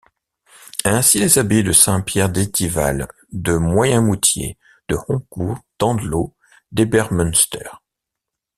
Ainsi les abbayes de Saint-Pierre d'Étival, de Moyenmoutier, de Honcourt, d'Andlau, d'Ebersmunster.